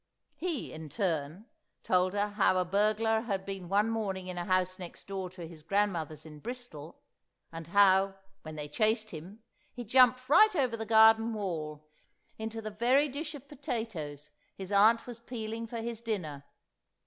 He, in turn, told her how a burglar had been one morning in a house next door to his grandmother's in Bristol, and how, when they chased him, he jumped right over the garden wall, into the very dish of potatoes his aunt was peeling for his dinner.